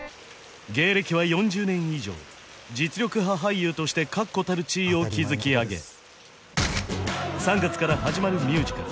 芸歴は４０年以上実力派俳優として確固たる地位を築き上げ３月から始まるミュージカル